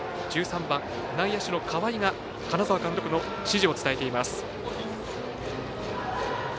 １３番、内野手の河合が金沢監督の指示を伝えています。